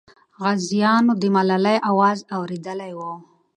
غازیانو د ملالۍ اواز اورېدلی وو.